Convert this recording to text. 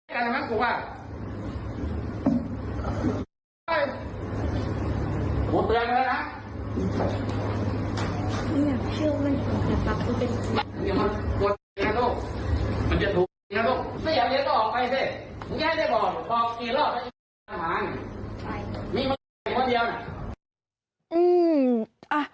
มีมันต้องเข้าไปกันเท่านั้น